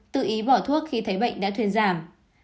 một tự ý bỏ thuốc khi thấy bệnh đã thuyền giảm